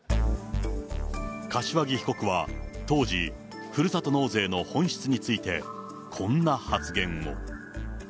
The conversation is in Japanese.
柏木被告は当時、ふるさと納税の本質について、こんな発言を。